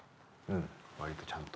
割とちゃんと。